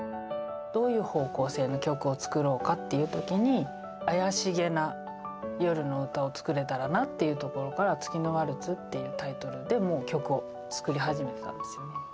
どういう方向性の曲を作ろうかっていう時に怪しげな夜の歌を作れたらなっていうところから「月のワルツ」っていうタイトルでもう曲を作り始めてたんですよね。